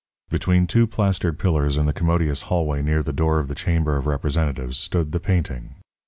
Between two plastered pillars in the commodious hallway near the door of the chamber of representatives stood the painting.